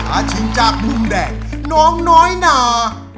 ข้าชินจากพุ่มแดกน้องน้อยนา